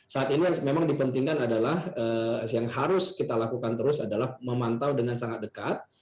saat ini yang memang dipentingkan adalah yang harus kita lakukan terus adalah memantau dengan sangat dekat